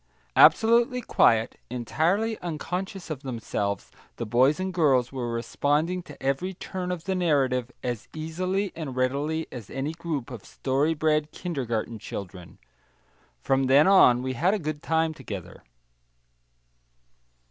Absolutely quiet, entirely unconscious of themselves, the boys and girls were responding to every turn of the narrative as easily and readily as any group of story bred kindergarten children. From then on we had a good time together.